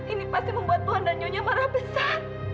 ini pasti membuat tuhan dan nyonya marah besar